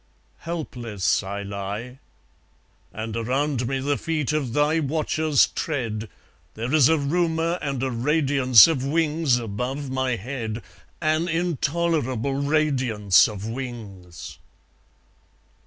... Helpless I lie. And around me the feet of thy watchers tread. There is a rumour and a radiance of wings above my head, An intolerable radiance of wings.